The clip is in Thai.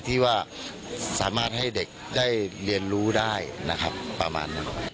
ที่ว่าสามารถให้เด็กได้เรียนรู้ได้นะครับประมาณนั้น